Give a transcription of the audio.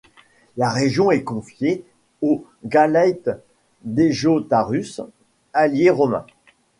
La région est confiée au Galate Dejotarus, allié romain.